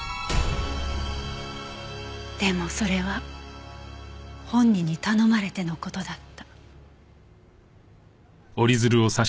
でもそれは本人に頼まれての事だった。